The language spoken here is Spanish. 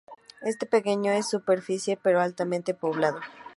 Es pequeño en superficie pero altamente poblado.